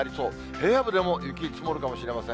平野部でも雪積もるかもしれません。